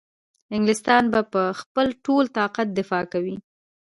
انګلیسیان به په خپل ټول طاقت دفاع کوي.